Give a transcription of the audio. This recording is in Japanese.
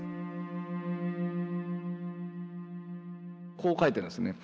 こう書いてますね。